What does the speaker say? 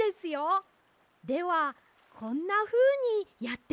ではこんなふうにやってみてください。